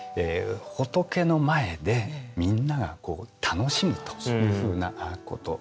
仏の前でみんなが楽しむというふうなこと。